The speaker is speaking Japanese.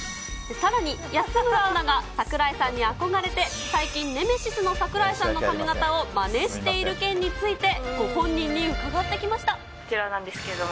さらに安村アナが櫻井さんに憧れて、最近、ネメシスの櫻井さんの髪形をまねしている件について、ご本人に伺こちらなんですけども。